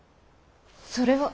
それは。